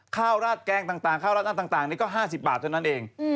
ข้าวราดแกรงต่างนี้ก็๕๐บาทเท่านั้นเอง